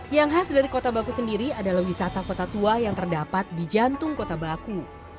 yang khas dari kota baku sendiri adalah wisata kota tua yang terdapat di jantung kota baku